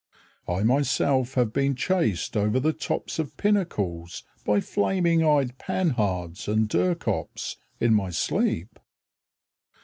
I myself have been chased over the tops of pinnacles By flaming eyed Panhards and Durkopps In my sleep.